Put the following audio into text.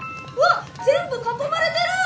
全部囲まれてる！